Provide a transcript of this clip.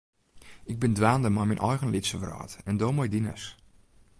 Ik bin dwaande mei myn eigen lytse wrâld en do mei dines.